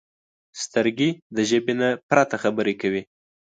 سترګې د ژبې نه پرته خبرې کوي